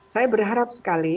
saya berharap sekali